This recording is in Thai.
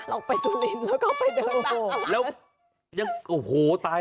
เราไปสุรินบริเวณและไปเดินไปจังหวัด